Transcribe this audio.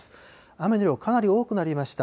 雨の量、かなり多くなりました。